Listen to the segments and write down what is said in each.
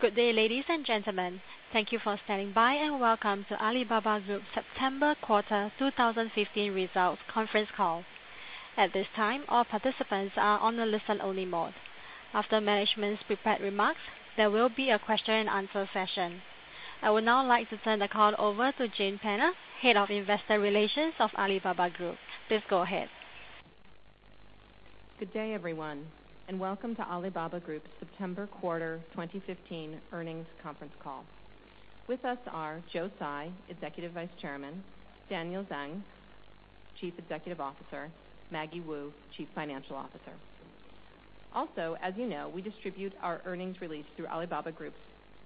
Good day, ladies and gentlemen. Thank you for standing by, and Welcome to Alibaba Group September quarter 2015 results conference call. At this time, all participants are on a listen-only mode. After management's prepared remarks, there will be a question and answer session. I would now like to turn the call over to Jane Penner, Head of Investor Relations of Alibaba Group. Please go ahead. Good day, everyone, and Welcome to Alibaba Group September quarter 2015 earnings conference call. With us are Joe Tsai, Executive Vice Chairman, Daniel Zhang, Chief Executive Officer, Maggie Wu, Chief Financial Officer. As you know, we distribute our earnings release through Alibaba Group's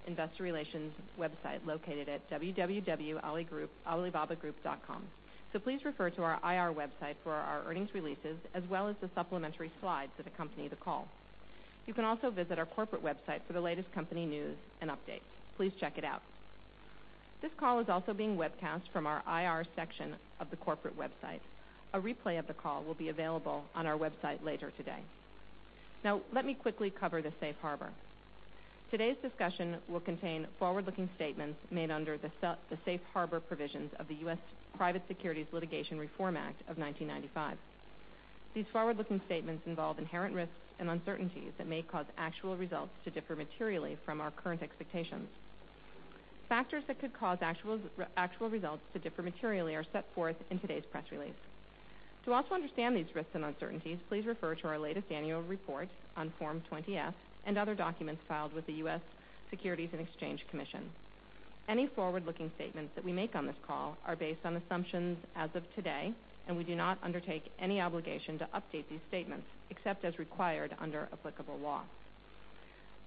investor relations website located at www.alibabagroup.com. Please refer to our IR website for our earnings releases as well as the supplementary slides that accompany the call. You can also visit our corporate website for the latest company news and updates. Please check it out. This call is also being webcast from our IR section of the corporate website. A replay of the call will be available on our website later today. Let me quickly cover the safe harbor. Today's discussion will contain forward-looking statements made under the safe harbor provisions of the U.S. Private Securities Litigation Reform Act of 1995. These forward-looking statements involve inherent risks and uncertainties that may cause actual results to differ materially from our current expectations. Factors that could cause actual results to differ materially are set forth in today's press release. To also understand these risks and uncertainties, please refer to our latest annual report on Form 20-F and other documents filed with the U.S. Securities and Exchange Commission. Any forward-looking statements that we make on this call are based on assumptions as of today, and we do not undertake any obligation to update these statements except as required under applicable law.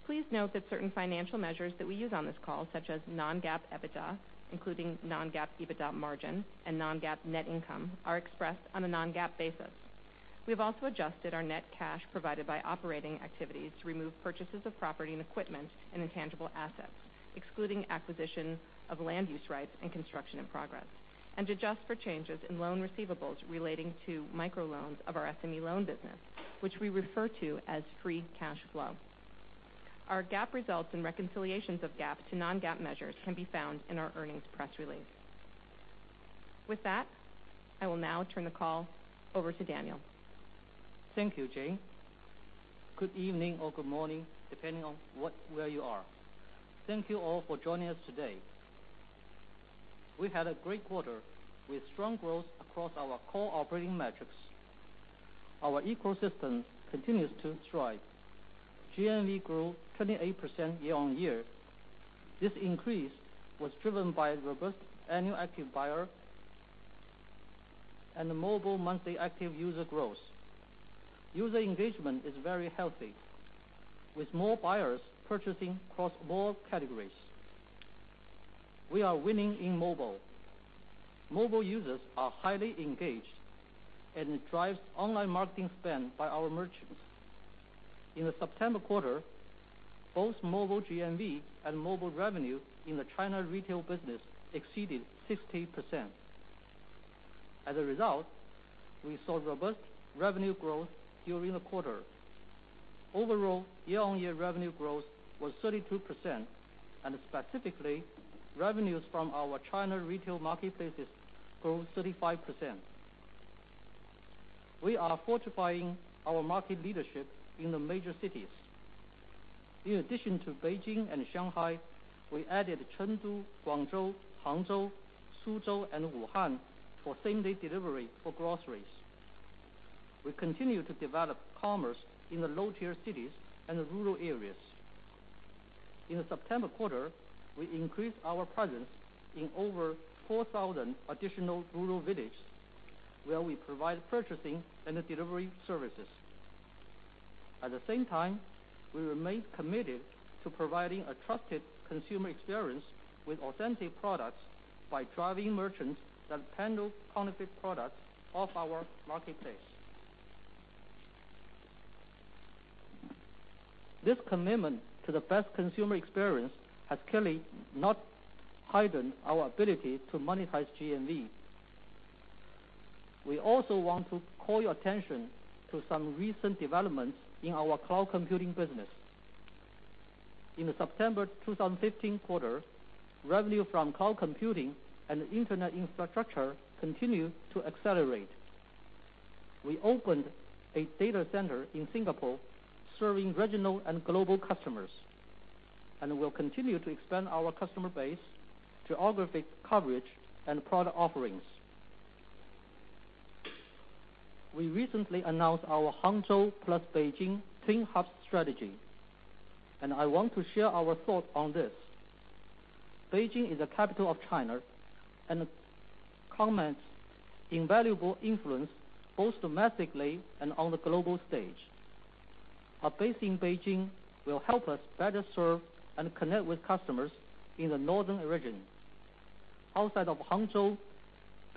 Please note that certain financial measures that we use on this call, such as non-GAAP EBITDA, including non-GAAP EBITDA margin and non-GAAP net income, are expressed on a non-GAAP basis. We have also adjusted our net cash provided by operating activities to remove purchases of property and equipment and intangible assets, excluding acquisition of land use rights and construction in progress, and adjust for changes in loan receivables relating to microloans of our SME loan business, which we refer to as free cash flow. Our GAAP results and reconciliations of GAAP to non-GAAP measures can be found in our earnings press release. With that, I will now turn the call over to Daniel. Thank you, Jane. Good evening or good morning, depending on where you are. Thank you all for joining us today. We had a great quarter with strong growth across our core operating metrics. Our ecosystem continues to thrive. GMV grew 28% year-on-year. This increase was driven by robust annual active buyer and mobile monthly active user growth. User engagement is very healthy, with more buyers purchasing across more categories. We are winning in mobile. Mobile users are highly engaged, it drives online marketing spend by our merchants. In the September quarter, both mobile GMV and mobile revenue in the China retail business exceeded 60%. As a result, we saw robust revenue growth during the quarter. Overall, year-on-year revenue growth was 32%, specifically, revenues from our China retail marketplaces grew 35%. We are fortifying our market leadership in the major cities. In addition to Beijing and Shanghai, we added Chengdu, Guangzhou, Hangzhou, Suzhou, and Wuhan for same-day delivery for groceries. We continue to develop commerce in the low-tier cities and rural areas. In the September quarter, we increased our presence in over 4,000 additional rural villages where we provide purchasing and delivery services. At the same time, we remain committed to providing a trusted consumer experience with authentic products by driving merchants that handle counterfeit products off our marketplace. This commitment to the best consumer experience has clearly not hidden our ability to monetize GMV. We also want to call your attention to some recent developments in our cloud computing business. In the September 2015 quarter, revenue from cloud computing and internet infrastructure continued to accelerate. We opened a data center in Singapore serving regional and global customers, and we'll continue to expand our customer base, geographic coverage, and product offerings. We recently announced our Hangzhou plus Beijing Twin Hub strategy, and I want to share our thoughts on this. Beijing is the capital of China and commands invaluable influence both domestically and on the global stage. Our base in Beijing will help us better serve and connect with customers in the northern region. Outside of Hangzhou,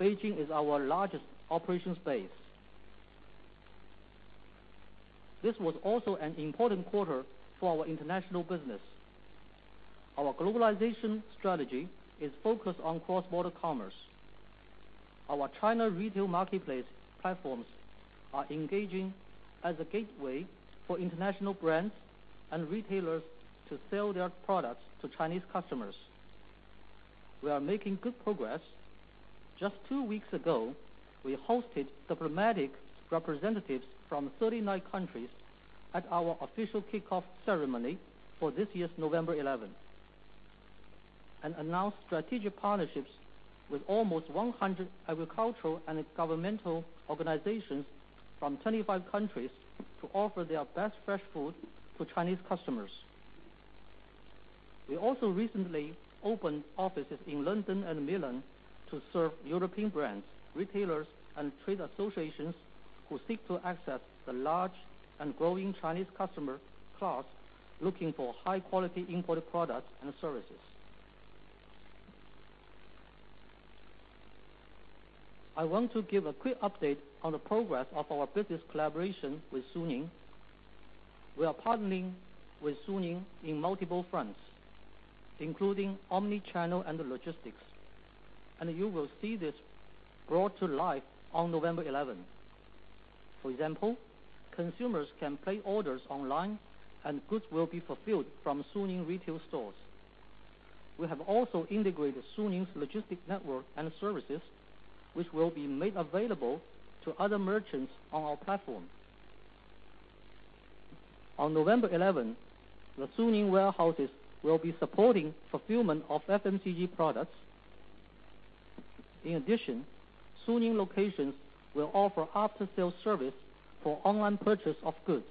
Beijing is our largest operation space. This was also an important quarter for our international business. Our globalization strategy is focused on cross-border commerce. Our China retail marketplace platforms are engaging as a gateway for international brands and retailers to sell their products to Chinese customers. We are making good progress. Just two weeks ago, we hosted diplomatic representatives from 39 countries at our official kickoff ceremony for this year's November 11th. We announced strategic partnerships with almost 100 agricultural and governmental organizations from 25 countries to offer their best fresh food to Chinese customers. We also recently opened offices in London and Milan to serve European brands, retailers, and trade associations who seek to access the large and growing Chinese customer class looking for high-quality imported products and services. I want to give a quick update on the progress of our business collaboration with Suning. We are partnering with Suning in multiple fronts, including omnichannel and logistics, and you will see this brought to life on November 11th. For example, consumers can place orders online and goods will be fulfilled from Suning retail stores. We have also integrated Suning's Logistic network and services, which will be made available to other merchants on our platform. On November 11th, the Suning warehouses will be supporting fulfillment of FMCG products. In addition, Suning locations will offer after-sales service for online purchase of goods.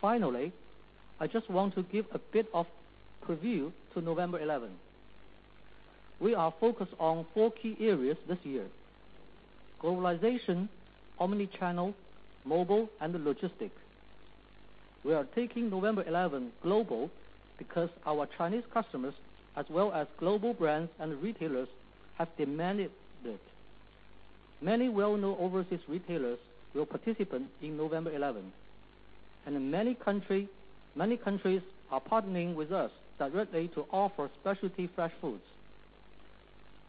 Finally, I just want to give a bit of preview to November 11th. We are focused on four key areas this year: globalization, omnichannel, mobile, and the logistics. We are taking November 11th global because our Chinese customers, as well as global brands and retailers, have demanded it. Many well known overseas retailer countries are partnering with us directly to offer specialty fresh foods.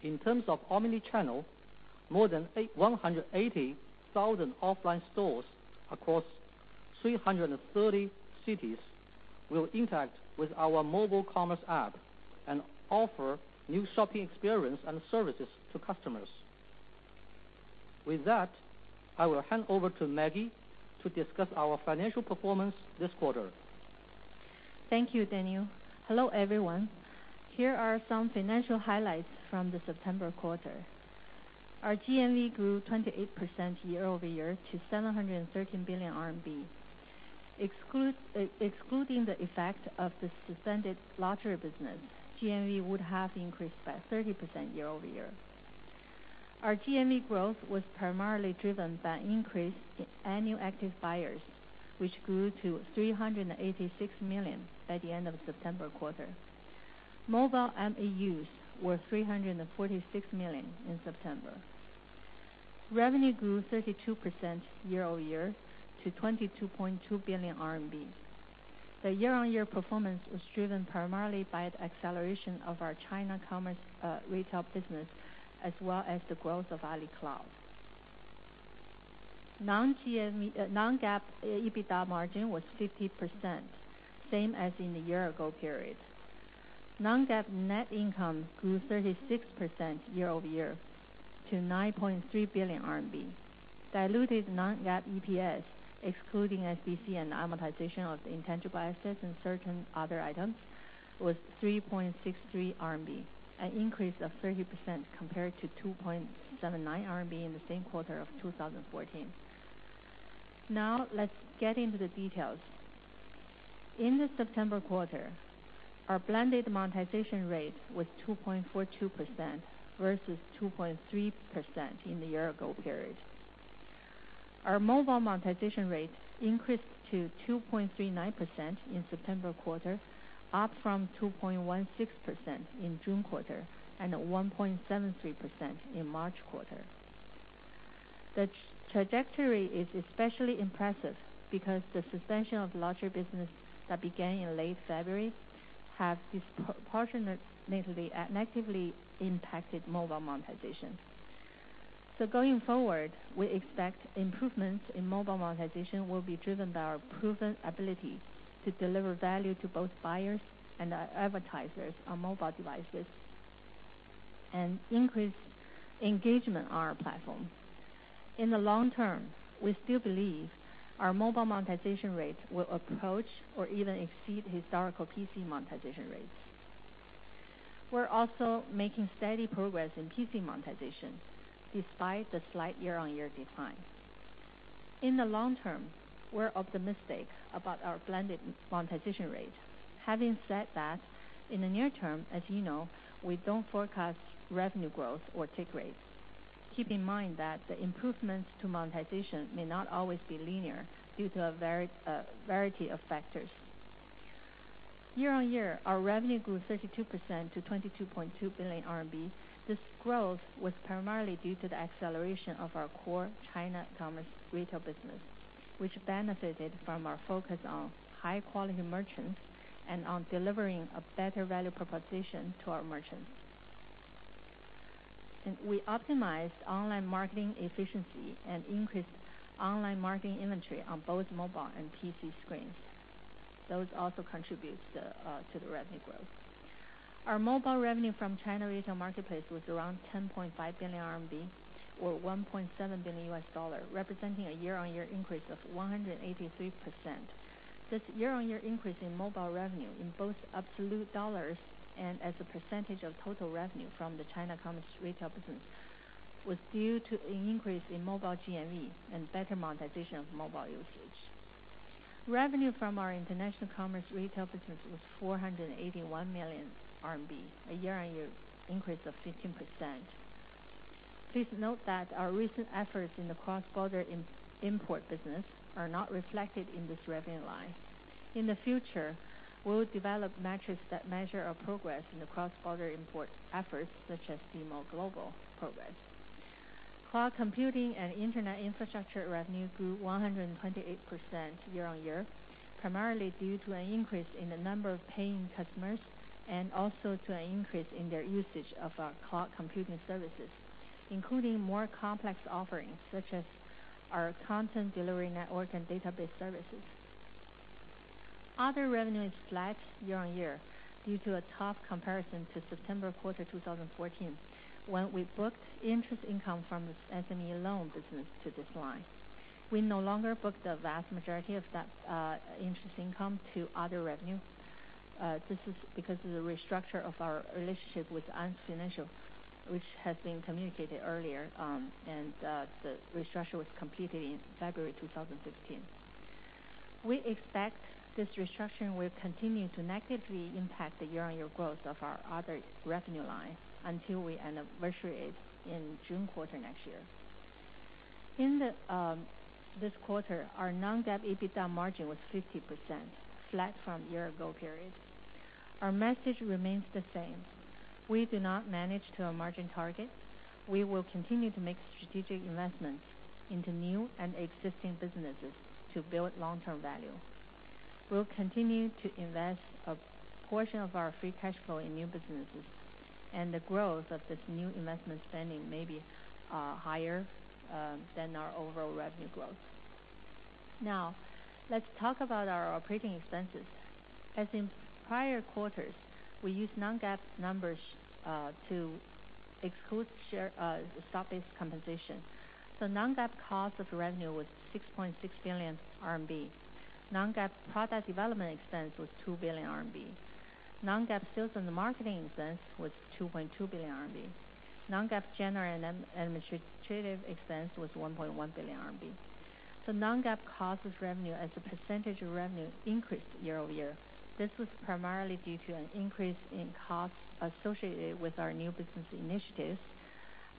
In terms of omnichannel, more than 180,000 offline stores across 330 cities will interact with our mobile commerce app and offer new shopping experience and services to customers. With that, I will hand over to Maggie to discuss our financial performance this quarter. Thank you, Daniel. Hello, everyone. Here are some financial highlights from the September quarter. Our GMV grew 28% year-over-year to 713 billion RMB. Excluding the effect of the suspended luxury business, GMV would have increased by 30% year-over-year. Our GMV growth was primarily driven by increase in annual active buyers, which grew to 386 million by the end of September quarter. Mobile MAUs were 346 million in September. Revenue grew 32% year-over-year to 22.2 billion RMB. The year-on-year performance was driven primarily by the acceleration of our China commerce retail business, as well as the growth of Alibaba Cloud. Non-GAAP EBITDA margin was 50%, same as in the year ago period. Non-GAAP net income grew 36% year-over-year to RMB 9.3 billion. Diluted non-GAAP EPS, excluding SBC and amortization of intangible assets and certain other items, was 3.63 RMB, an increase of 30% compared to 2.79 RMB in the same quarter of 2014. Now let's get into the details. In the September quarter, our blended monetization rate was 2.42% versus 2.3% in the year ago period. Our mobile monetization rate increased to 2.39% in September quarter, up from 2.16% in June quarter and 1.73% in March quarter. The trajectory is especially impressive because the suspension of luxury business that began in late February have disproportionately negatively impacted mobile monetization. Going forward, we expect improvements in mobile monetization will be driven by our proven ability to deliver value to both buyers and our advertisers on mobile devices and increase engagement on our platform. In the long term, we still believe our mobile monetization rate will approach or even exceed historical PC monetization rates. We're also making steady progress in PC monetization despite the slight year-on-year decline. In the long term, we're optimistic about our blended monetization rate. Having said that, in the near term, as you know, we don't forecast revenue growth or take rates. Keep in mind that the improvements to monetization may not always be linear due to a variety of factors. Year-on-year, our revenue grew 32% to 22.2 billion RMB. This growth was primarily due to the acceleration of our core China commerce retail business, which benefited from our focus on high quality merchants and on delivering a better value proposition to our merchants. We optimized online marketing efficiency and increased online marketing inventory on both mobile and PC screens. Those also contributes to the revenue growth. Our mobile revenue from China retail marketplace was around 10.5 billion RMB, or $1.7 billion, representing a year-over-year increase of 183%. This year-over-year increase in mobile revenue in both absolute dollars and as a percentage of total revenue from the China commerce retail business was due to an increase in mobile GMV and better monetization of mobile usage. Revenue from our international commerce retail business was 481 million RMB, a year-over-year increase of 15%. Please note that our recent efforts in the cross-border import business are not reflected in this revenue line. In the future, we'll develop metrics that measure our progress in the cross-border import efforts, such as Tmall Global progress. Cloud computing and internet infrastructure revenue grew 128% year-on-year, primarily due to an increase in the number of paying customers and also to an increase in their usage of our cloud computing services, including more complex offerings such as our content delivery network and database services. Other revenue is flat year-on-year due to a tough comparison to September quarter 2014, when we booked interest income from the SME loan business to this line. We no longer book the vast majority of that interest income to other revenue. This is because of the restructure of our relationship with Ant Financial, which has been communicated earlier, and the restructure was completed in February 2015. We expect this restructuring will continue to negatively impact the year-on-year growth of our other revenue line until we anniversary it in June quarter next year. In this quarter, our non-GAAP EBITDA margin was 50%, flat from year-ago period. Our message remains the same. We do not manage to a margin target. We will continue to make strategic investments into new and existing businesses to build long-term value. We'll continue to invest a portion of our free cash flow in new businesses, and the growth of this new investment spending may be higher than our overall revenue growth. Let's talk about our operating expenses. As in prior quarters, we use non-GAAP numbers to exclude share stock-based compensation. Non-GAAP cost of revenue was 6.6 billion RMB. Non-GAAP product development expense was 2 billion RMB. Non-GAAP sales and marketing expense was 2.2 billion RMB. Non-GAAP general and administrative expense was 1.1 billion RMB. Non-GAAP cost of revenue as a % of revenue increased year-over-year. This was primarily due to an increase in costs associated with our new business initiatives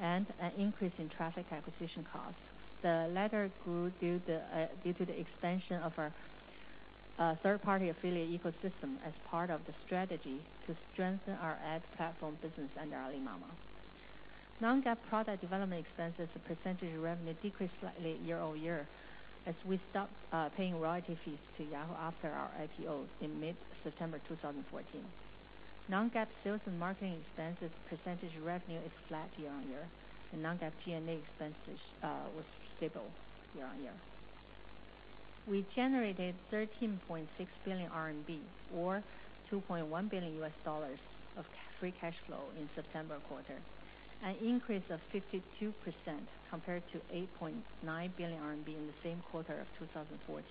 and an increase in traffic acquisition costs. The latter grew due to the expansion of our third-party affiliate ecosystem as part of the strategy to strengthen our ad platform business under Alibaba. Non-GAAP product development expense as a percentage of revenue decreased slightly year-over-year as we stopped paying royalty fees to Yahoo after our IPO in mid-September 2014. Non-GAAP sales and marketing expense as a percentage of revenue is flat year-on-year, and non-GAAP G&A expenses was stable year-on-year. We generated 13.6 billion RMB or $2.1 billion of free cash flow in September quarter, an increase of 52% compared to 8.9 billion RMB in the same quarter of 2014.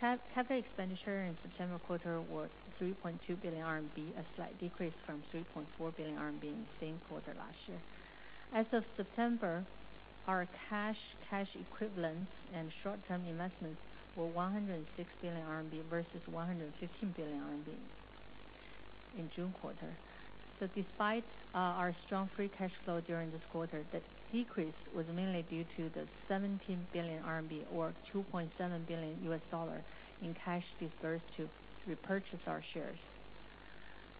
Capital expenditure in September quarter was 3.2 billion RMB, a slight decrease from 3.4 billion RMB in the same quarter last year. As of September, our cash equivalents and short-term investments were 106 billion RMB versus 115 billion RMB in June quarter. Despite our strong free cash flow during this quarter, that decrease was mainly due to the 17 billion RMB or $2.7 billion in cash dispersed to repurchase our shares.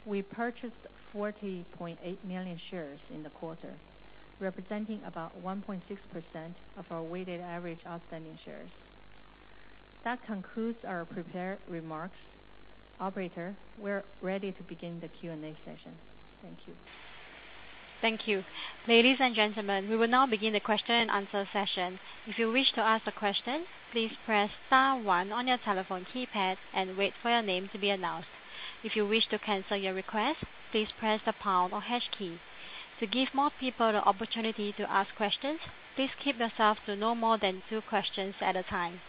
We purchased 40.8 million shares in the quarter, representing about 1.6% of our weighted average outstanding shares. That concludes our prepared remarks. Operator, we're ready to begin the Q&A session. Thank you. Thank you. Ladies and gentlemen, we will now begin the question and answer session. If you wish to ask a question, please press star one on your telephone keypad and wait for your name to be announced. If you wish to cancel your request, please press the pound or hash key. To give more people the opportunity to ask questions, please keep yourselves to no more than two questions at a time.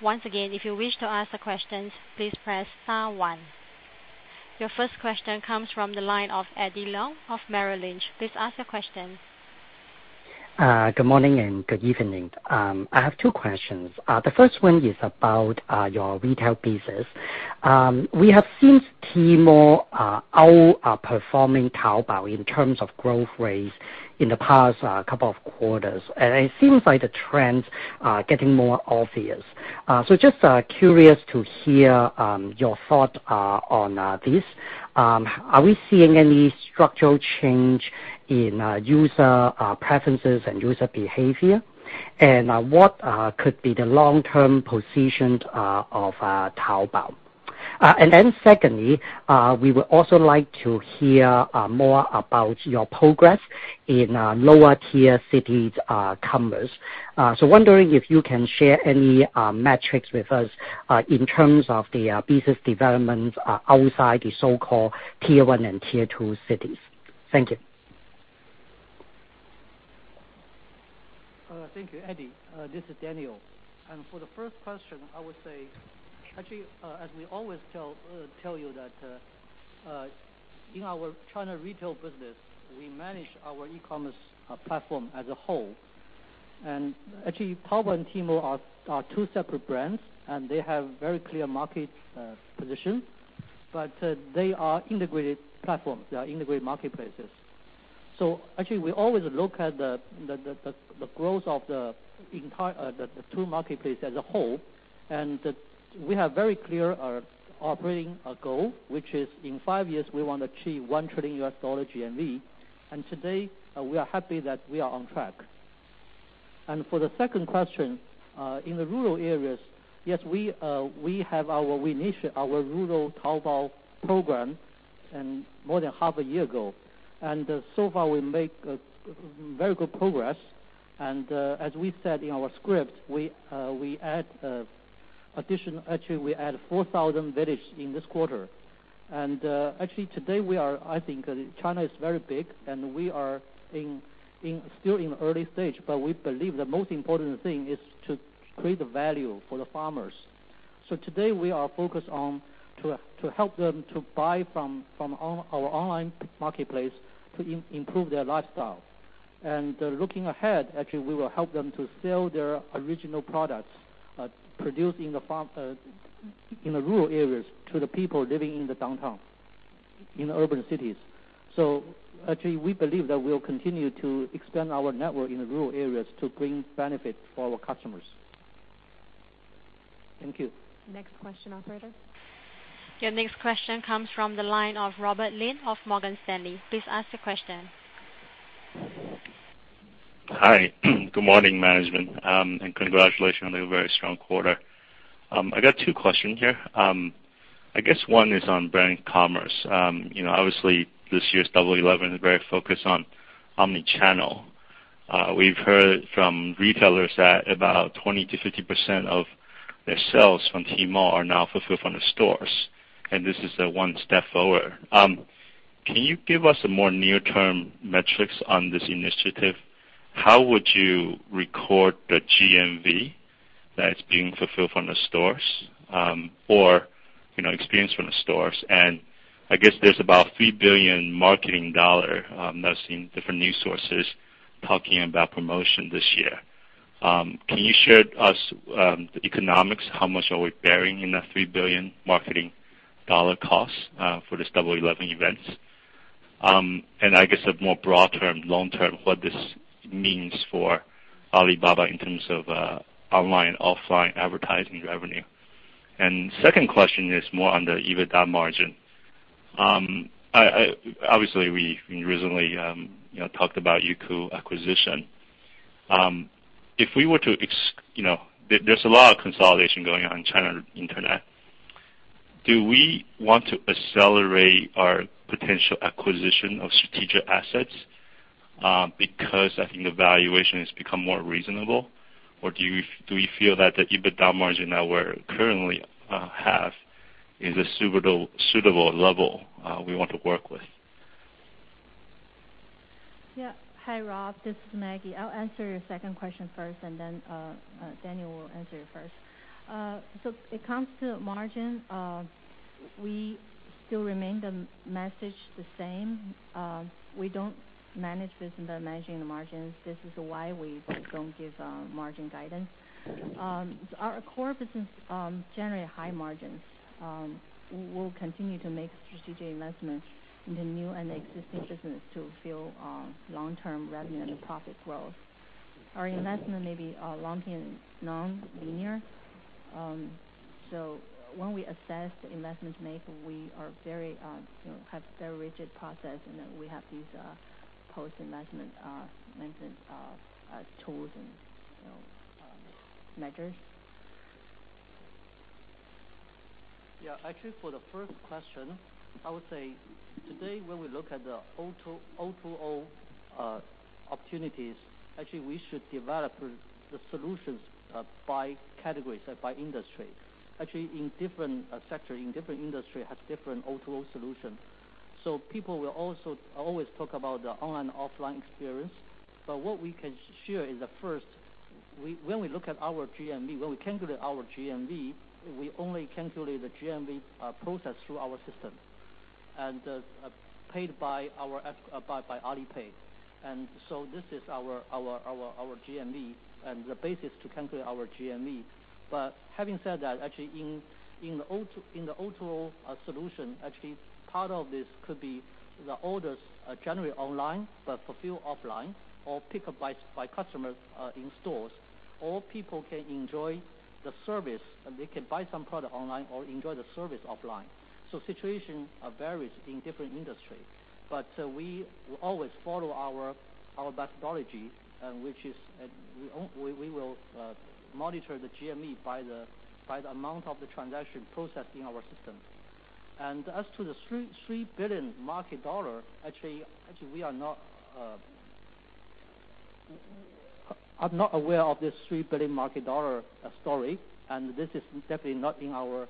Once again, if you wish to ask the questions, please press star one. Your first question comes from the line of Eddie Leung of Merrill Lynch. Please ask your question. Good morning and good evening. I have two questions. The first one is about your retail business. We have seen Tmall outperforming Taobao in terms of growth rates in the past couple of quarters, and it seems like the trends are getting more obvious. Just curious to hear your thought on this. Are we seeing any structural change in user preferences and user behavior? What could be the long-term positions of Taobao? Secondly, we would also like to hear more about your progress in lower tier cities' commerce. Wondering if you can share any metrics with us in terms of the business developments outside the so-called Tier 1 and Tier 2 cities. Thank you. Thank you, Eddie. This is Daniel. For the first question, I would say, actually, as we always tell you that, in our China retail business, we manage our e-commerce platform as a whole. Actually, Taobao and Tmall are two separate brands, and they have very clear market position, but they are integrated platforms. They are integrated marketplaces. Actually, we always look at the growth of the entire two marketplace as a whole. We have very clear operating goal, which is in five years we want to achieve $1 trillion GMV. Today, we are happy that we are on track. For the second question, in the rural areas, yes, we initiate our Rural Taobao program more than half a year ago. So far we make very good progress. As we said in our script, we add, Actually, we add 4,000 village in this quarter. Actually today we are, I think, China is very big, and we are in still in early stage, but we believe the most important thing is to create the value for the farmers. Today we are focused on to help them to buy from our online marketplace to improve their lifestyle. Looking ahead, actually, we will help them to sell their original products, produced in the farm, in the rural areas to the people living in the downtown, in urban cities. Actually, we believe that we'll continue to expand our network in the rural areas to bring benefit for our customers. Thank you. Next question operator. Your next question comes from the line of Robert Lin of Morgan Stanley. Please ask the question. Hi. Good morning, management, and congratulations on a very strong quarter. I got two questions here. I guess one is on brand commerce. you know, obviously, this year's Double 11 is very focused on omnichannel. We've heard from retailers that about 20%-50% of their sales from Tmall are now fulfilled from the stores, and this is one step forward. Can you give us a more near-term metrics on this initiative? How would you record the GMV that's being fulfilled from the stores, or, you know, experienced from the stores? I guess there's about $3 billion marketing dollar that I've seen different news sources talking about promotion this year. Can you share us the economics? How much are we bearing in that $3 billion marketing dollar costs for this Double 11 events? I guess a more broad term, long term, what this means for Alibaba in terms of online, offline advertising revenue. Second question is more on the EBITDA margin. Obviously we recently, you know, talked about Youku acquisition. If we were to, you know, there's a lot of consolidation going on in China internet. Do we want to accelerate our potential acquisition of strategic assets because I think the valuation has become more reasonable? Do we feel that the EBITDA margin that we're currently have is a suitable level we want to work with? Yeah. Hi, Rob. This is Maggie. I'll answer your second question first, and then Daniel will answer your first. It comes to margin, we still remain the message the same. We don't manage business by managing the margins. This is why we don't give margin guidance. Our core business generate high margins. We'll continue to make strategic investments into new and existing business to fuel long-term revenue and profit growth. Our investment may be lumpy and non-linear. When we assess the investment make, we are very, you know, have very rigid process in that we have these post-investment maintenance tools and, you know, measures. Yeah. Actually, for the first question, I would say today, when we look at the O2O opportunities, actually we should develop the solutions by categories and by industry. Actually, in different sector, in different industry has different O2O solution. People will also always talk about the online, offline experience. What we can share is that first, when we look at our GMV, when we calculate our GMV, we only calculate the GMV processed through our system, paid by our by Alipay. This is our GMV, and the basis to calculate our GMV. Having said that, actually in the O2O solution, actually part of this could be the orders are generally online, but fulfilled offline or picked up by customers in stores. All people can enjoy the service, and they can buy some product online or enjoy the service offline. Situations are various in different industry. we always follow our methodology, which is, we will monitor the GMV by the amount of the transaction processed in our system. As to the RMB 3 billion market, actually we are not, I'm not aware of this RMB 3 billion market story, and this is definitely not in our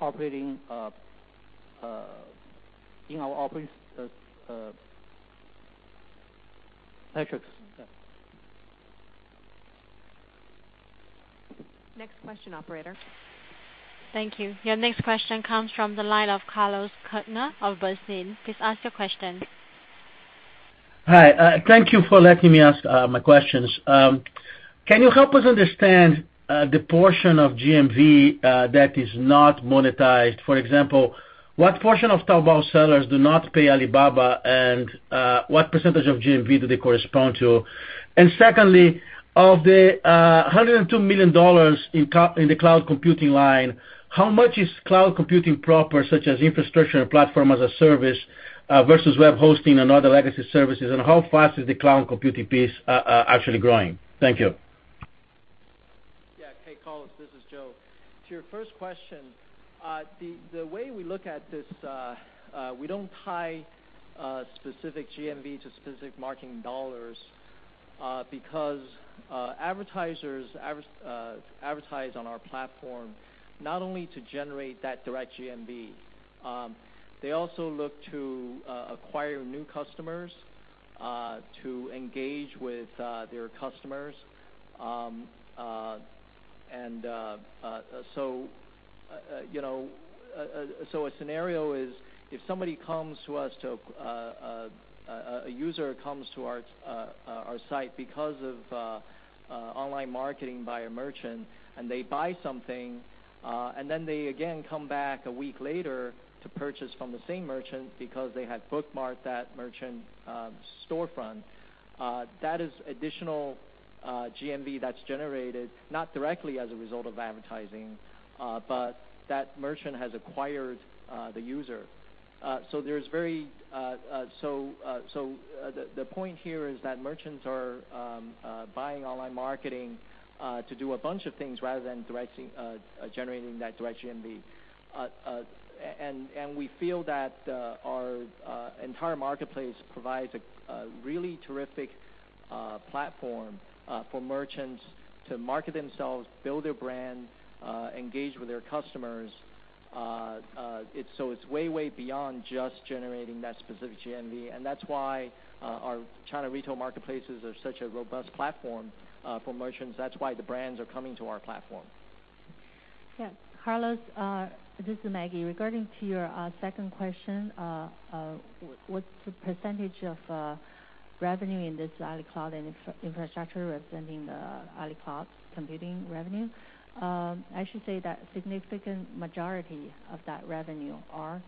operating metrics. Next question, operator. Thank you. Your next question comes from the line of Carlos Kirjner-Neto of Bernstein. Please ask your question. Hi, thank you for letting me ask my questions. Can you help us understand the portion of GMV that is not monetized? For example, what portion of Taobao sellers do not pay Alibaba, and what percentage of GMV do they correspond to? Secondly, of the $102 million in the cloud computing line, how much is cloud computing proper, such as infrastructure and platform as a service, versus web hosting and other legacy services, and how fast is the cloud computing piece actually growing? Yeah. Hey, Carlos, this is Joe. To your first question, the way we look at this, we don't tie specific GMV to specific marketing dollars, because advertisers advertise on our platform not only to generate that direct GMV, they also look to acquire new customers, to engage with their customers. You know, a scenario is if somebody comes to us, a user comes to our site because of online marketing by a merchant, and they buy something, and then they again come back a week later to purchase from the same merchant because they had bookmarked that merchant storefront. That is additional GMV that's generated, not directly as a result of advertising, but that merchant has acquired the user. The point here is that merchants are buying online marketing to do a bunch of things rather than directly generating that direct GMV. We feel that our entire marketplace provides a really terrific platform for merchants to market themselves, build their brand, engage with their customers. It's way beyond just generating that specific GMV, and that's why our China retail marketplaces are such a robust platform for merchants. That's why the brands are coming to our platform. Yeah. Carlos, this is Maggie. Regarding to your second question, what's the percentage of revenue in this AliCloud and infrastructure representing the AliCloud computing revenue? I should say that significant majority of that revenue are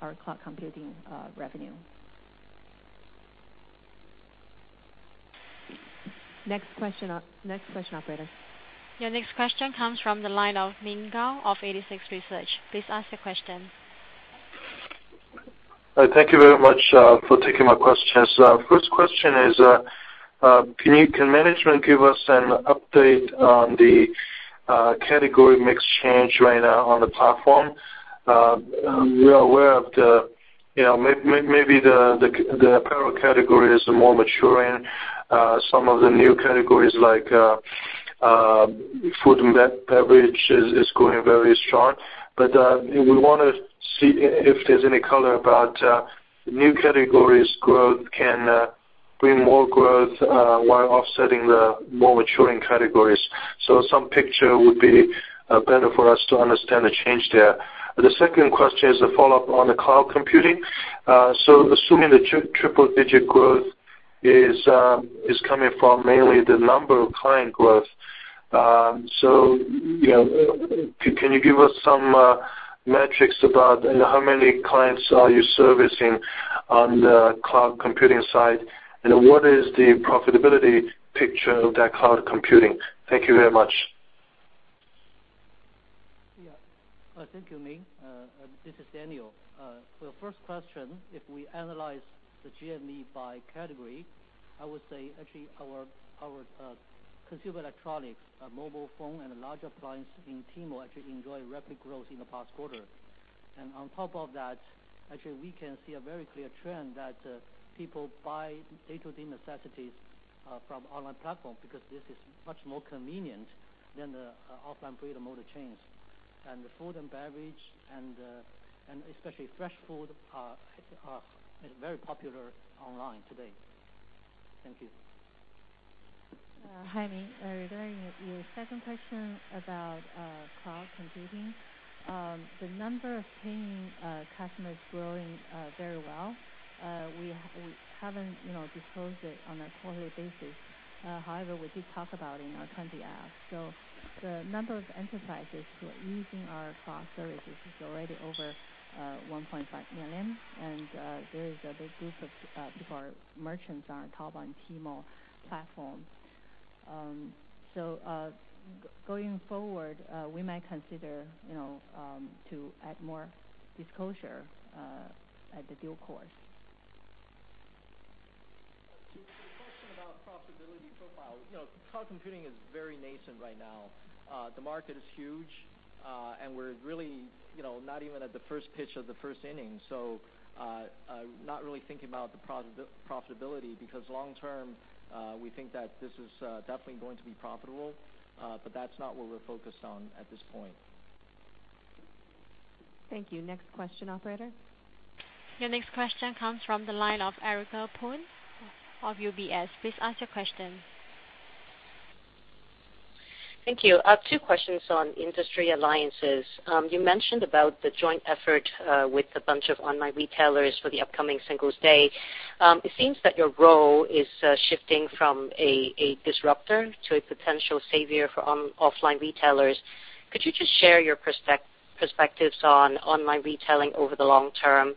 cloud computing revenue. Next question, operator. Your next question comes from the line of Ming Zhao of 86Research. Please ask your question. Thank you very much for taking my questions. First question is, can management give us an update on the category mix change right now on the platform? We are aware of the, you know, maybe the apparel categories are more maturing. Some of the new categories like food and beverage is growing very strong. We wanna see if there's any color about new categories growth can bring more growth while offsetting the more maturing categories. Some picture would be better for us to understand the change there. The second question is a follow-up on the cloud computing. Assuming the tripple-digit growth is coming from mainly the number of client growth, you know, can you give us some metrics about, you know, how many clients are you servicing on the cloud computing side? What is the profitability picture of that cloud computing? Thank you very much. Yeah. Thank you, Ming. This is Daniel. For the first question, if we analyze the GMV by category, I would say actually our consumer electronics, mobile phone and large appliance in Tmall actually enjoyed rapid growth in the past quarter. On top of that, actually, we can see a very clear trend that people buy day-to-day necessities from online platform, because this is much more convenient than the offline brick-and-mortar chains. The food and beverage and especially fresh food is very popular online today. Thank you. Hi, Ming. Regarding your second question about cloud computing, the number of paying customers growing very well. We haven't, you know, disclosed it on a quarterly basis. However, we did talk about it in our 20-F. The number of enterprises who are using our cloud services is already over 1.5 million. There is a big group of people, merchants on Taobao and Tmall platform. Going forward, we might consider, you know, to add more disclosure at the due course. To the question about profitability profile, you know, cloud computing is very nascent right now. The market is huge, and we're really, you know, not even at the first pitch of the first inning. Not really thinking about the profitability, because long term, we think that this is definitely going to be profitable. That's not what we're focused on at this point. Thank you. Next question, operator. Your next question comes from the line of Erica Poon Werkun of UBS. Please ask your question. Thank you. Two questions on industry alliances. You mentioned about the joint effort with a bunch of online retailers for the upcoming Singles' Day. It seems that your role is shifting from a disruptor to a potential savior for on-offline retailers. Could you just share your perspectives on online retailing over the long term?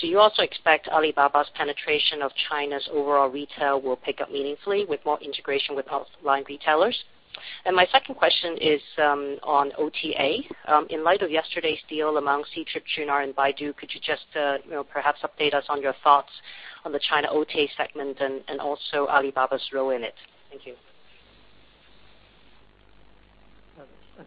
Do you also expect Alibaba's penetration of China's overall retail will pick up meaningfully with more integration with offline retailers? My second question is on OTA. In light of yesterday's deal among Ctrip, Qunar, and Baidu, could you just, you know, perhaps update us on your thoughts on the China OTA segment and also Alibaba's role in it? Thank you.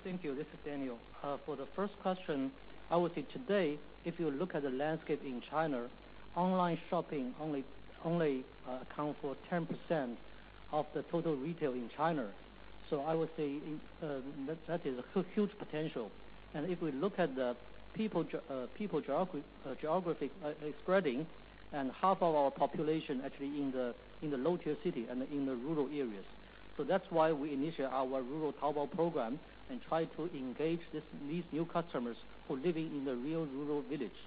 Thank you. This is Daniel. For the first question, I would say today, if you look at the landscape in China, online shopping only account for 10% of the total retail in China. I would say that is a huge potential. If we look at the people geography spreading, and half of our population actually in the low-tier city and in the rural areas. That's why we initiate our Rural Taobao program and try to engage these new customers who are living in the real rural village.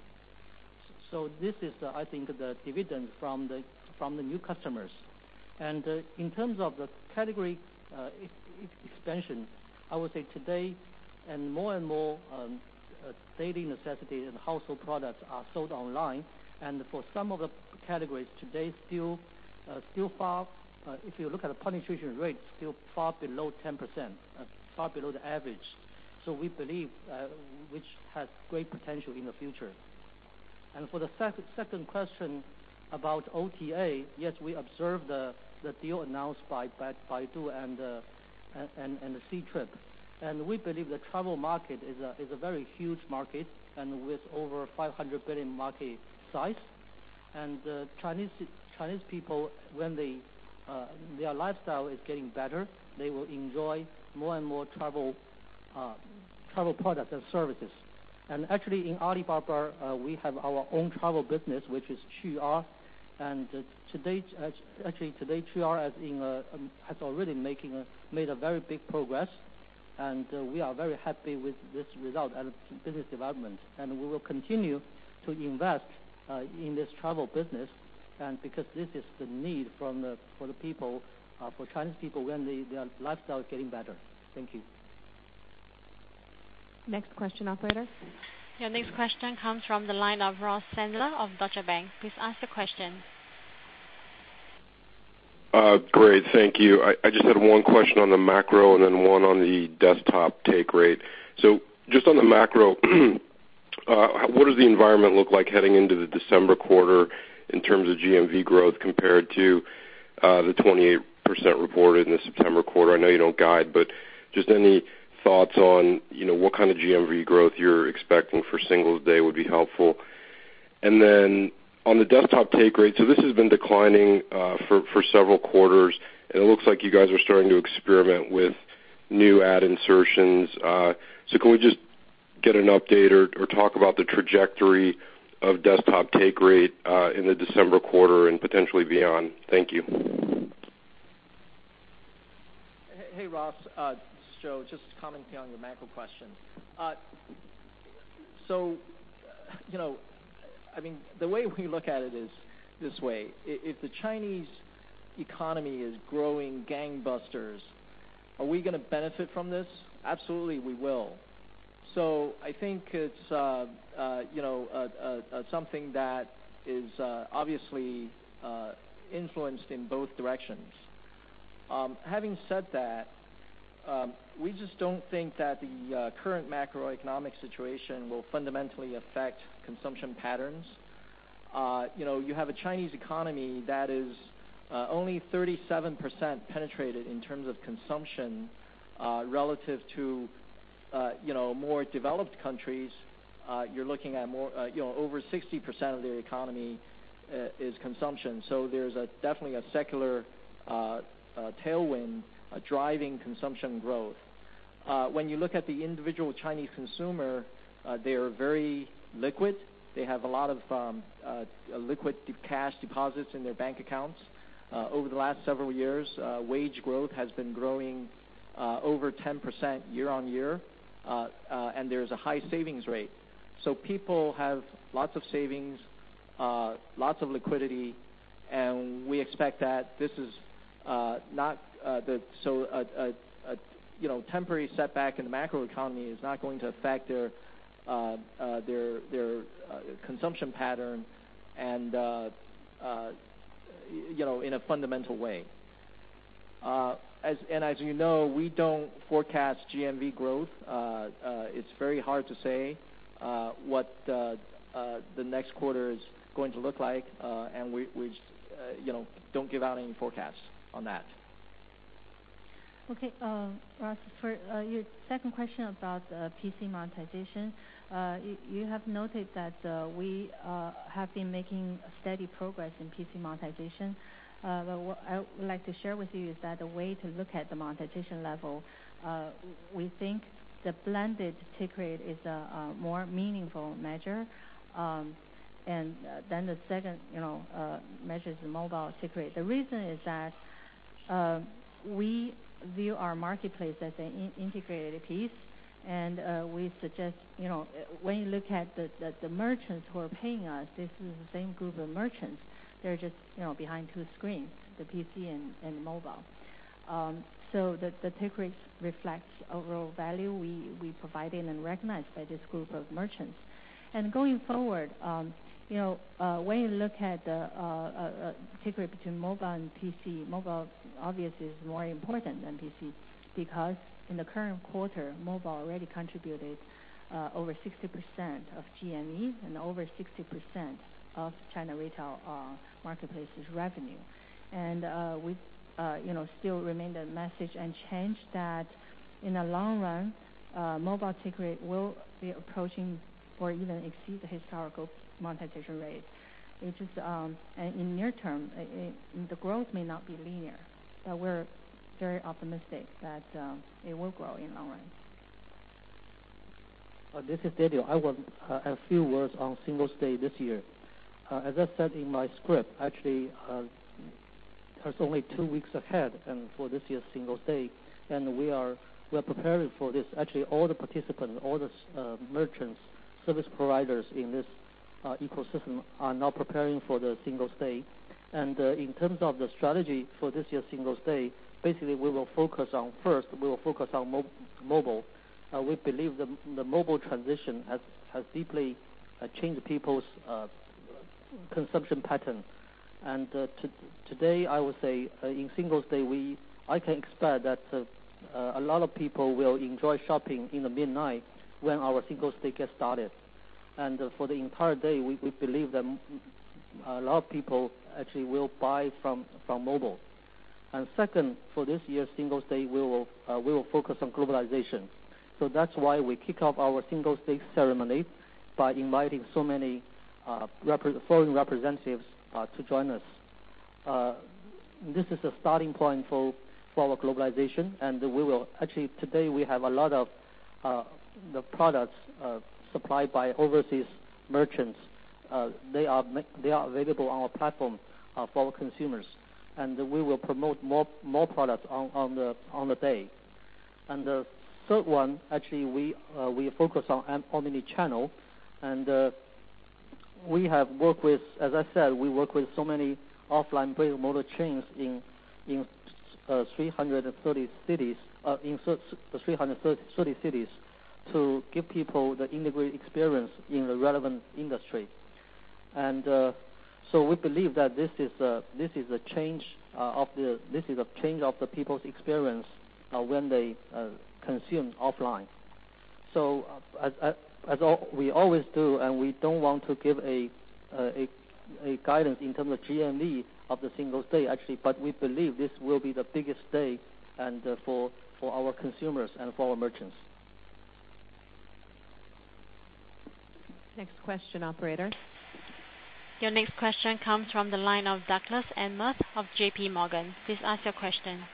This is the, I think, the dividend from the new customers. In terms of the category expansion, I would say today and more and more daily necessities and household products are sold online. For some of the categories today, still far if you look at the penetration rate, still far below 10%, far below the average. We believe, which has great potential in the future. For the second question about OTA, yes, we observed the deal announced by Baidu and Ctrip. We believe the travel market is a very huge market and with over 500 billion market size. Chinese people, when they, their lifestyle is getting better, they will enjoy more and more travel products and services. Actually, in Alibaba, we have our own travel business, which is Alitrip. Today, actually, today, Alitrip has been, has already made a very big progress. We are very happy with this result and business development. We will continue to invest in this travel business, and because this is the need for the people, for Chinese people when their lifestyle is getting better. Thank you. Next question, operator. Your next question comes from the line of Ross Sandler of Deutsche Bank. Please ask your question. Great. Thank you. I just had one question on the macro and one on the desktop take rate. Just on the macro, what does the environment look like heading into the December quarter in terms of GMV growth compared to the 28% reported in the September quarter? I know you don't guide, just any thoughts on, you know, what kind of GMV growth you're expecting for Singles' Day would be helpful. On the desktop take rate, this has been declining for several quarters, it looks like you guys are starting to experiment with new ad insertions. Can we just get an update or talk about the trajectory of desktop take rate in the December quarter and potentially beyond? Thank you. Hey, Ross. This is Joe, just commenting on your macro question. You know, I mean, the way we look at it is this way, if the Chinese economy is growing gangbusters, are we gonna benefit from this? Absolutely, we will. I think it's, you know, something that is obviously influenced in both directions. Having said that, we just don't think that the current macroeconomic situation will fundamentally affect consumption patterns. You know, you have a Chinese economy that is only 37% penetrated in terms of consumption, relative to, you know, more developed countries. You're looking at more, you know, over 60% of their economy is consumption. There's a definitely a secular tailwind driving consumption growth. When you look at the individual Chinese consumer, they are very liquid. They have a lot of liquid to cash deposits in their bank accounts. Over the last several years, wage growth has been growing over 10% year-on-year and there's a high savings rate. People have lots of savings, lots of liquidity, and we expect that this is not a, you know, temporary setback in the macroeconomy is not going to affect their consumption pattern and, you know, in a fundamental way. As, and as you know, we don't forecast GMV growth. It's very hard to say what the next quarter is going to look like, and we, you know, don't give out any forecasts on that. Okay. Ross, for your second question about PC monetization. You have noted that we have been making steady progress in PC monetization. What I would like to share with you is that a way to look at the monetization level, we think the blended take rate is a more meaningful measure, and then the second, you know, measure is the mobile take rate. The reason is that we view our marketplace as an integrated piece, and we suggest, you know, when you look at the merchants who are paying us, this is the same group of merchants. They're just, you know, behind two screens, the PC and mobile. The take rates reflects overall value we provide in and recognized by this group of merchants. Going forward, you know, when you look at the take rate between mobile and PC, mobile obviously is more important than PC because in the current quarter, mobile already contributed over 60% of GMV and over 60% of China retail marketplace's revenue. You know, we still remain the message unchanged that in the long run, mobile take rate will be approaching or even exceed the historical monetization rate, which is. In near term, the growth may not be linear, but we're very optimistic that it will grow in the long run. This is Daniel. I want a few words on Singles' Day this year. As I said in my script, actually, there's only two weeks ahead, and for this year's Singles' Day, we are preparing for this. All the participants, all the merchants, service providers in this ecosystem are now preparing for the Singles' Day. In terms of the strategy for this year's Singles' Day, basically, we will focus on, first, we will focus on mobile. We believe the mobile transition has deeply changed people's consumption pattern. Today, I would say, in Singles' Day, I can expect that a lot of people will enjoy shopping in the midnight when our Singles' Day gets started. For the entire day, we believe that a lot of people actually will buy from mobile. Second, for this year's Singles' Day, we will focus on globalization. That's why we kick off our Singles' Day ceremony by inviting so many foreign representatives to join us. This is a starting point for our globalization. Actually, today, we have a lot of the products supplied by overseas merchants. They are available on our platform for our consumers, and we will promote more products on the day. The third one, actually, we focus on omnichannel, and we have worked with, as I said, we work with so many offline brick-and-mortar chains in 330 cities to give people the integrated experience in the relevant industry. We believe that this is a change of the people's experience when they consume offline. As we always do, we don't want to give a guidance in terms of GMV of the Singles' Day, actually, but we believe this will be the biggest day for our consumers and for our merchants. Next question, operator. Your next question comes from the line of Douglas Anmuth of J.P. Morgan. Please ask your question.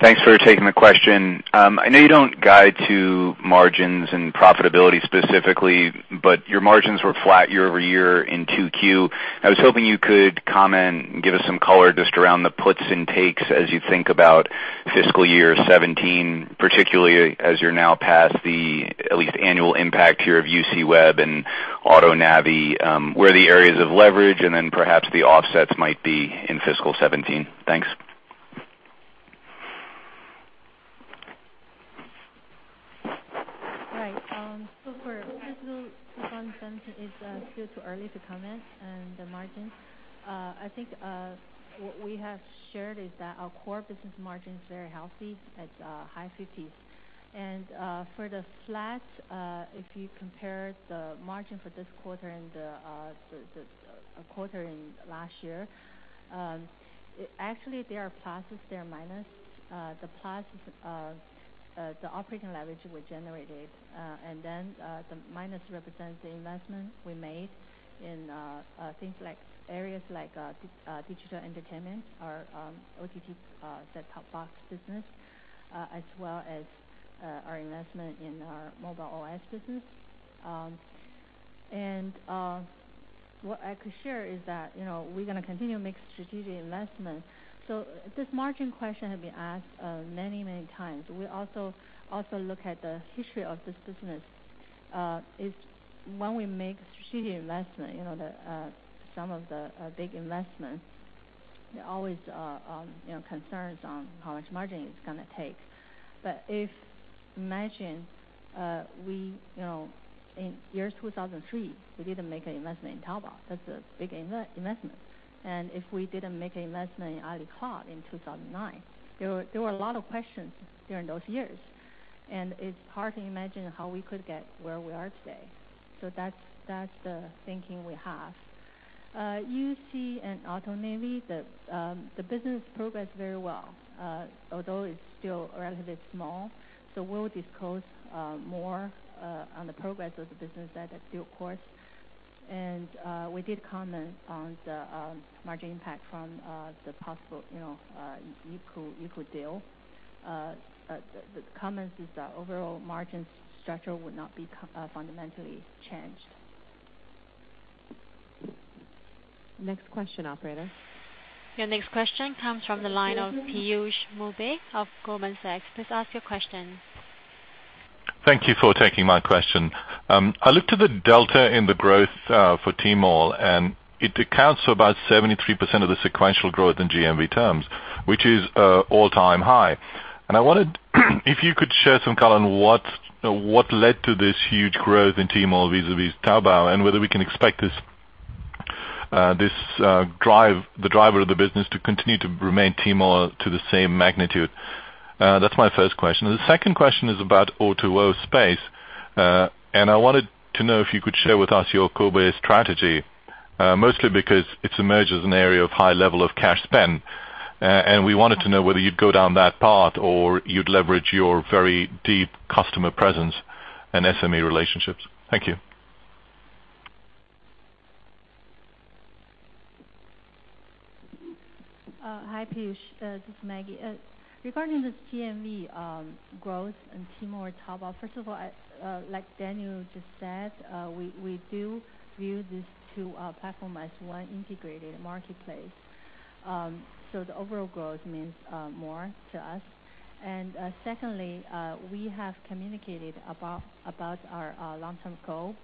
Thanks for taking the question. I know you don't guide to margins and profitability specifically, but your margins were flat year-over-year in 2Q. I was hoping you could comment and give us some color just around the puts and takes as you think about fiscal year 2017, particularly as you're now past the at least annual impact here of UCWeb and AutoNavi, where the areas of leverage and then perhaps the offsets might be in fiscal 2017. Thanks. Right. For fiscal 2022, it's still too early to comment on the margins. I think what we have shared is that our core business margin is very healthy at high 50s. For the flat, if you compare the margin for this quarter and a quarter in last year, actually, there are pluses, there are minus. The pluses are the operating leverage we generated, the minus represents the investment we made in things like areas like digital entertainment or OTT set-top box business, as well as our investment in our mobile OS business. What I could share is that, you know, we're gonna continue to make strategic investment. This margin question has been asked many times. We also look at the history of this business. If when we make strategic investment, you know, some of the big investments, they always are, you know, concerns on how much margin it's gonna take. If imagine, we, you know, in years 2003 we didn't make an investment in Taobao. That's a big investment. If we didn't make an investment in AliCloud in 2009, there were a lot of questions during those years, and it's hard to imagine how we could get where we are today. That's the thinking we have. UC and AutoNavi, the business progressed very well, although it's still relatively small. We'll disclose more on the progress of the business at a due course. We did comment on the margin impact from the possible, you know, Youku deal. The comments is that overall margin structure would not be fundamentally changed. Next question, operator. Your next question comes from the line of Piyush Mubayi of Goldman Sachs. Please ask your question. Thank you for taking my question. I looked at the delta in the growth for Tmall, and it accounts for about 73% of the sequential growth in GMV terms, which is all-time high. I wondered if you could share some color on what led to this huge growth in Tmall vis-a-vis Taobao, and whether we can expect this drive, the driver of the business to continue to remain Tmall to the same magnitude. That's my first question. The second question is about O2O space. I wanted to know if you could share with us your Koubei strategy, mostly because it's emerged as an area of high level of cash spend. We wanted to know whether you'd go down that path or you'd leverage your very deep customer presence and SME relationships. Thank you. Hi, Piyush Mubayi. This is Maggie. Regarding this GMV growth in Tmall or Taobao, first of all, I, like Daniel just said, we do view these two platform as one integrated marketplace. The overall growth means more to us. Secondly, we have communicated about our long-term goal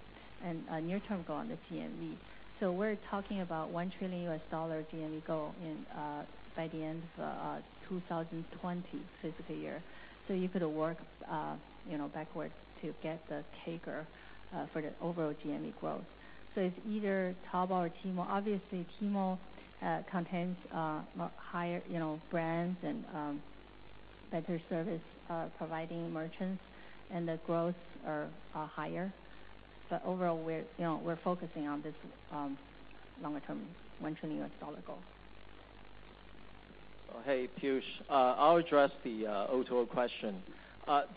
and near-term goal on the GMV. We're talking about US $1 trillion GMV goal by the end of 2020 fiscal year. You could work, you know, backwards to get the taker for the overall GMV growth. It's either Taobao or Tmall. Obviously, Tmall contains more higher, you know, brands and better service providing merchants and the growth are higher to overall we're, you know, we're focusing on this longer term US $1 trillion goal. Hey, Piyush, I'll address the O2O question.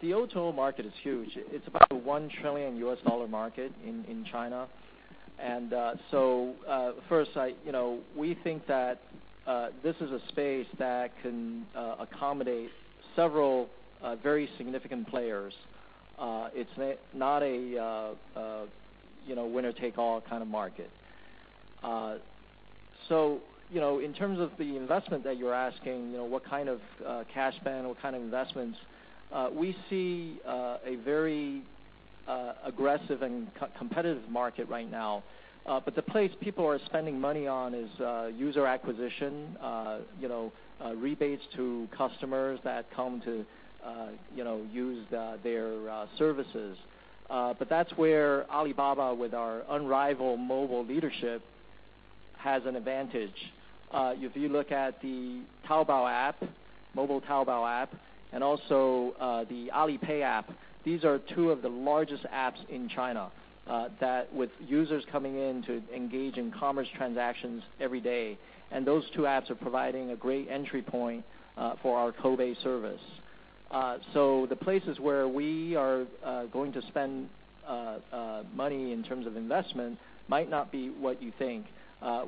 The O2O market is huge. It's about a US $1 trillion market in China. First, you know, we think that this is a space that can accommodate several very significant players. It's not a, you know, winner-take-all kind of market. You know, in terms of the investment that you're asking, you know, what kind of cash spend, what kind of investments, we see a very aggressive and competitive market right now. The place people are spending money on is user acquisition, you know, rebates to customers that come to, you know, use their services. That's where Alibaba with our unrivaled mobile leadership has an advantage. If you look at the Taobao app, mobile Taobao app, and also, the Alipay app, these are two of the largest apps in China, that with users coming in to engage in commerce transactions every day. Those two apps are providing a great entry point for our Koubei service. The places where we are going to spend money in terms of investment might not be what you think.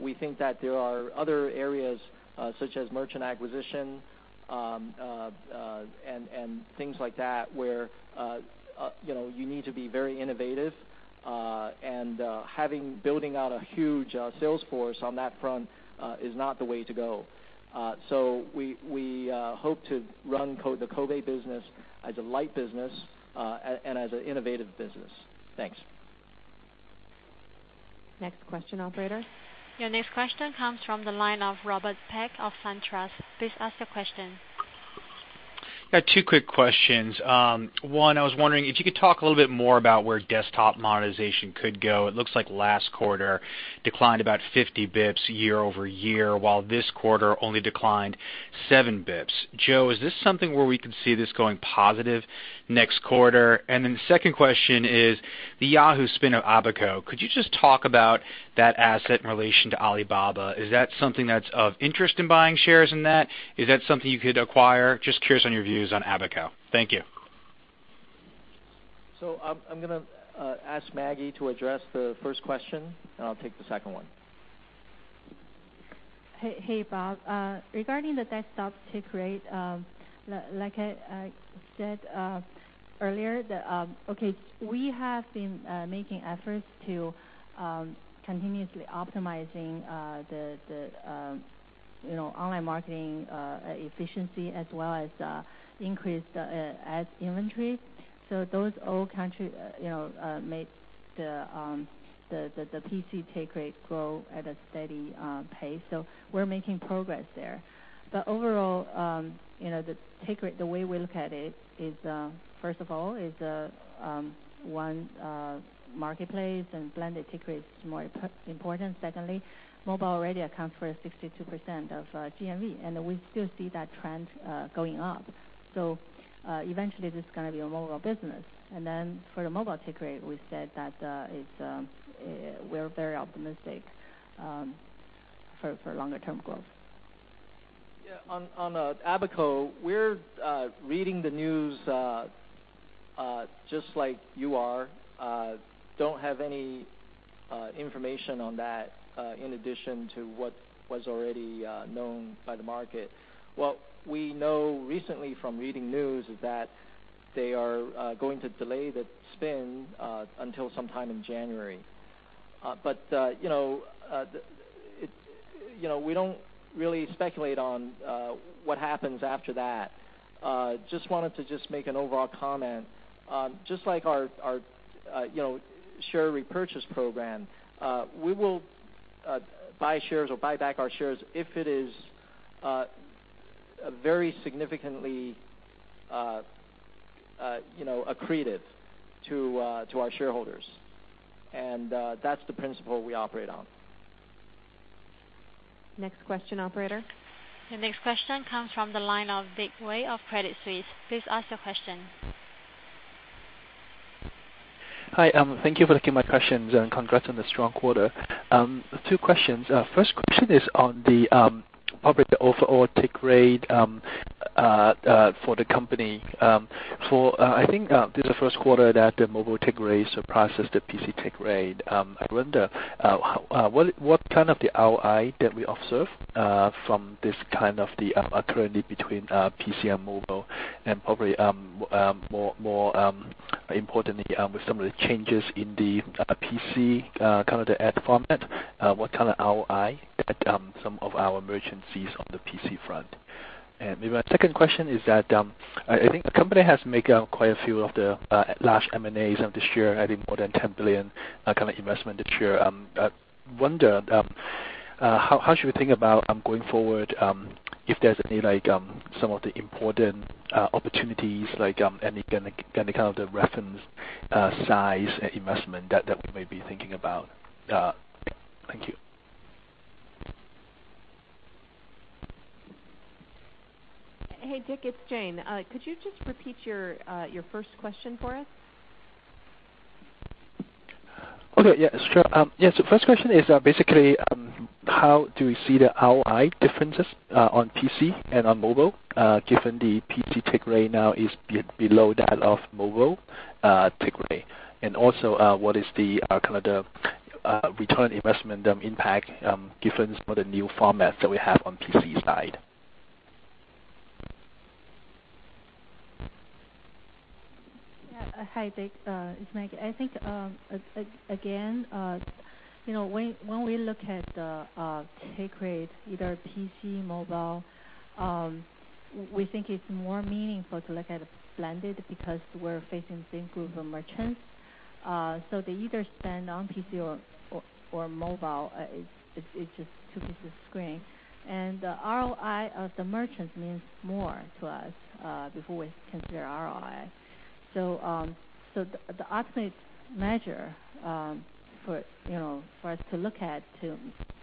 We think that there are other areas, such as merchant acquisition, and things like that, where, you know, you need to be very innovative. Having building out a huge sales force on that front, is not the way to go. We hope to run the Koubei business as a light business and as an innovative business. Thanks. Next question, operator. Your next question comes from the line of Robert Peck of SunTrust. Please ask your question. Yeah, two quick questions. One, I was wondering if you could talk a little bit more about where desktop monetization could go. It looks like last quarter declined about 50 basis points year-over-year, while this quarter only declined 7 bps. Joe, is this something where we could see this going positive next quarter? The second question is the Yahoo spin of Aabaco. Could you just talk about that asset in relation to Alibaba? Is that something that's of interest in buying shares in that? Is that something you could acquire? Just curious on your views on Aabaco. Thank you. I'm gonna ask Maggie to address the first question, and I'll take the second one. Hey, hey, Bob. Regarding the desktop take rate, I said earlier that we have been making efforts to continuously optimizing the, you know, online marketing efficiency as well as increase the ad inventory. Those all contribute, you know, make the PC take rate grow at a steady pace. We're making progress there. Overall, you know, the take rate, the way we look at it is, first of all, is one marketplace and blended take rate is more important. Secondly, mobile already accounts for 62% of GMV, and we still see that trend going up. Eventually this is gonna be a mobile business. For the mobile take rate, we said that, it's, we're very optimistic, for longer term growth. On Aabaco, we're reading the news just like you are. Don't have any information on that in addition to what was already known by the market. What we know recently from reading news is that they are going to delay the spin until sometime in January. It's, you know, we don't really speculate on what happens after that. Just wanted to make an overall comment. Just like our, you know, share repurchase program, we will buy shares or buy back our shares if it is very significantly, you know, accretive to our shareholders. That's the principle we operate on. Next question, operator. The next question comes from the line of Dick Wei of Credit Suisse. Please ask your question. Hi, thank you for taking my questions, and congrats on the strong quarter. Two questions. First question is on the probably the overall take rate for the company. For I think this is the first quarter that the mobile take rate surpasses the PC take rate. I wonder how what kind of the ROI that we observe from this kind of the occurring between PC and mobile? Probably more importantly, with some of the changes in the PC kind of the ad format, what kind of ROI at some of our merchant fees on the PC front? Maybe my second question is that, I think the company has make quite a few of the large M&As of this year, adding more than 10 billion kind of investment this year. I wonder how should we think about going forward if there's any some of the important opportunities any kind of the reference size investment that we may be thinking about? Thank you. Hey, Dick, it's Jane. Could you just repeat your first question for us? Okay. Yeah, sure. First question is, how do we see the ROI differences on PC and on mobile, given the PC take rate now is below that of mobile take rate? Also, what is the kind of the return investment impact, given some of the new formats that we have on PC side? Yeah. Hi, Dick. It's Maggie. I think, you know, when we look at the take rate, either PC, mobile, we think it's more meaningful to look at a blended because we're facing same group of merchants. They either spend on PC or mobile. It's just two pieces of screen. The ROI of the merchants means more to us before we consider ROI. The ultimate measure, for, you know, for us to look at to,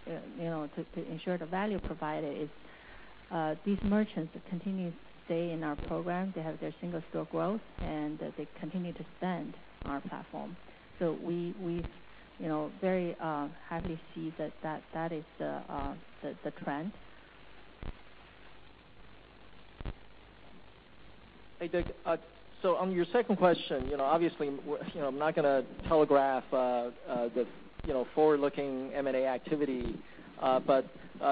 you know, to ensure the value provided is these merchants continue to stay in our program. They have their single store growth, they continue to spend on our platform. We, you know, very happily see that is the trend. Hey, Dick. On your second question, you know, obviously, you know, I'm not gonna telegraph the, you know, forward-looking M&A activity. The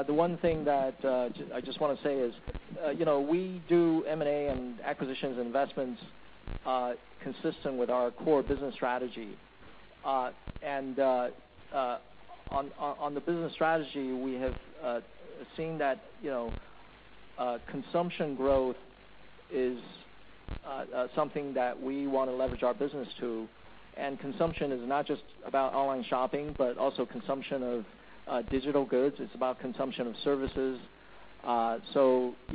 one thing that I just wanna say is, you know, we do M&A and acquisitions investments consistent with our core business strategy. On the business strategy, we have seen that, you know, consumption growth is something that we wanna leverage our business to. Consumption is not just about online shopping, but also consumption of digital goods. It's about consumption of services. You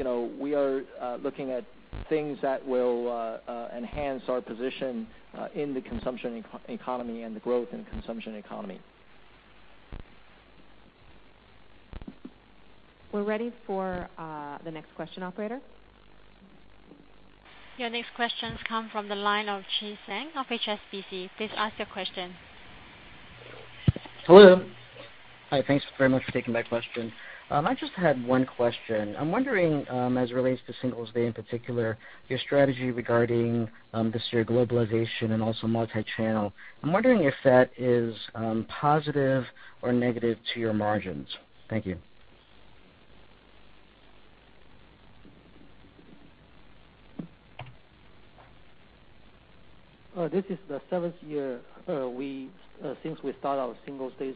know, we are looking at things that will enhance our position in the consumption eco-economy and the growth in consumption economy. We're ready for, the next question, operator. Your next question comes from the line of Chi Tsang of HSBC. Please ask your question. Hello. Hi, thanks very much for taking my question. I just had one question. I'm wondering, as it relates to Singles' Day, in particular, your strategy regarding, this year globalization and also multi-channel. I'm wondering if that is, positive or negative to your margins. Thank you. This is the seventh year, we since we start our Singles' Day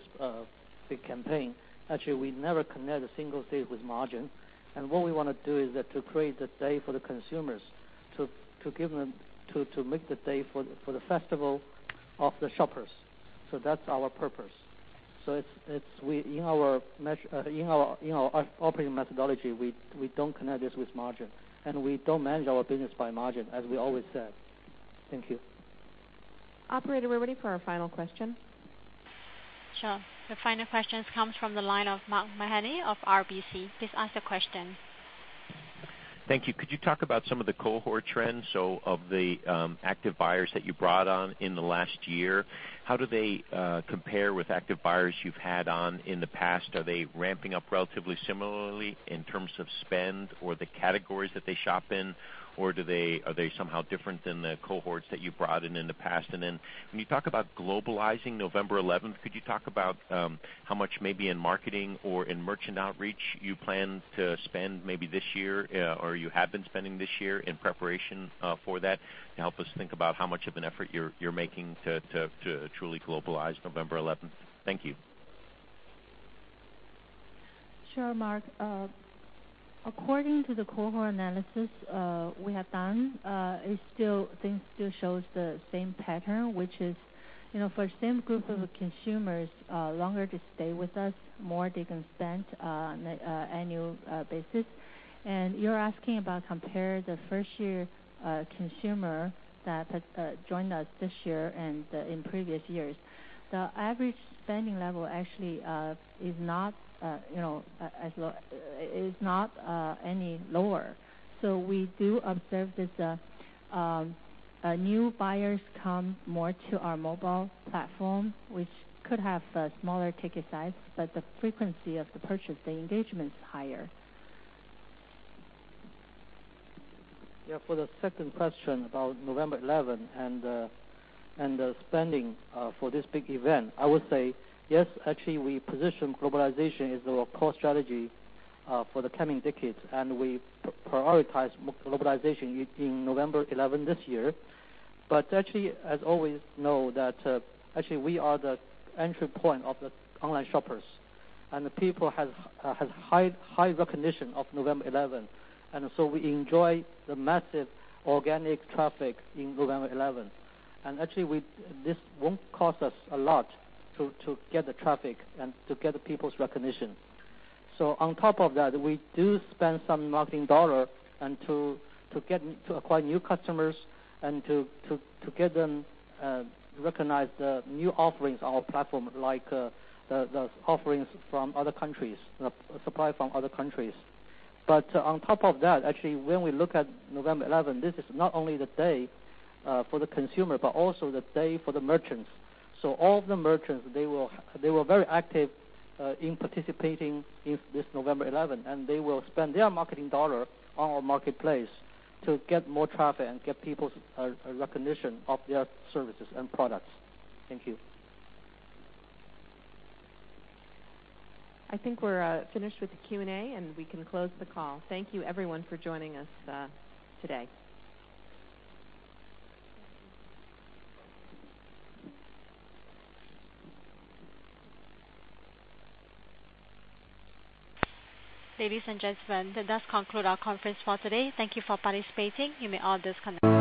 big campaign. Actually, we never connect a Singles' Day with margin. What we wanna do is that to create the day for the consumers, to give them to make the day for the festival of the shoppers. That's our purpose. In our operating methodology, we don't connect this with margin, and we don't manage our business by margin, as we always said. Thank you. Operator, we're ready for our final question. Sure. The final question comes from the line of Mark Mahaney of RBC. Please ask the question. Thank you. Could you talk about some of the cohort trends? Of the active buyers that you brought on in the last year, how do they compare with active buyers you've had on in the past? Are they ramping up relatively similarly in terms of spend or the categories that they shop in, or are they somehow different than the cohorts that you've brought in in the past? When you talk about globalizing November 11th, could you talk about how much maybe in marketing or in merchant outreach you plan to spend maybe this year, or you have been spending this year in preparation for that, to help us think about how much of an effort you're making to truly globalize November 11th. Thank you. Sure, Mark. According to the cohort analysis we have done, it still shows the same pattern, which is, you know, for same group of consumers, longer to stay with us, more they can spend on an annual basis. You're asking about compare the first year consumer that has joined us this year and in previous years. The average spending level actually, you know, is not any lower. We do observe that new buyers come more to our mobile platform, which could have a smaller ticket size, but the frequency of the purchase, the engagement is higher. Yeah, for the second question about November 11th and the spending for this big event, I would say, yes, actually, we position globalization as our core strategy for the coming decades, we prioritize globalization in November 11th this year. Actually, as always know that, actually, we are the entry point of the online shoppers, the people has high recognition of November 11th, we enjoy the massive organic traffic in November 11th. Actually, we this won't cost us a lot to get the traffic and to get the people's recognition. On top of that, we do spend some marketing dollar and to get to acquire new customers and to get them recognize the new offerings on our platform like the offerings from other countries, the supply from other countries. On top of that, actually, when we look at November 11th, this is not only the day for the consumer, but also the day for the merchants. All of the merchants, they were very active in participating in this November 11th, and they will spend their marketing dollar on our marketplace to get more traffic and get people's recognition of their services and products. Thank you. I think we're finished with the Q&A, and we can close the call. Thank you everyone for joining us today. Ladies and gentlemen, that does conclude our conference for today. Thank you for participating. You may all disconnect.